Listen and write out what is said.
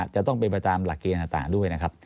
จะต้องเป็นไปตามหลักเกณฑ์ต่างด้วยนะครับ